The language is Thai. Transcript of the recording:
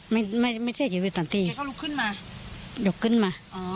ไม่ไม่ไม่ใช่อยู่ตอนตีเธอก็ลุกขึ้นมาลุกขึ้นมาอ๋อ